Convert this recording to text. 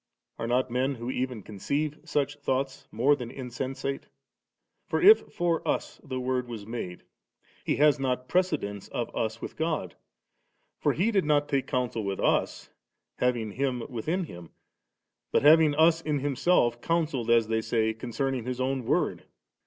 Are not men who even conceive such thoughts, more than insensate ? For if for us the Word was made, He has not precedence ' of us with God; for He did not take counsel about us having Him within Him, but having us in Him self counselled, as they say, concerning His own Word.